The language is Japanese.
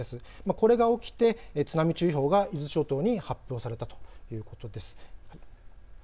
これが起きて津波注意報が伊豆諸島に発表されたということです。